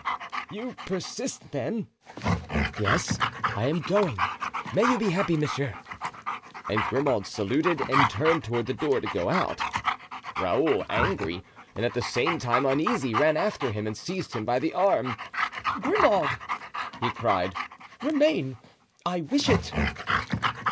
"You persist, then?" "Yes, I am going; may you be happy, monsieur," and Grimaud saluted and turned toward the door to go out. Raoul, angry and at the same time uneasy, ran after him and seized him by the arm. "Grimaud!" he cried; "remain; I wish it."